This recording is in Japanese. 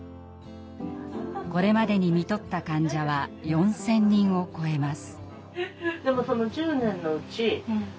これまでに看取った患者は４，０００人を超えます。